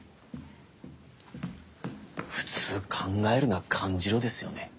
普通「考えるな感じろ」ですよね？